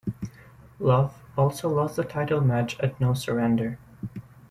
Love also lost the title match at No Surrender.